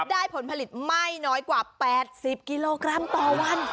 ผลผลิตไม่น้อยกว่า๘๐กิโลกรัมต่อวัน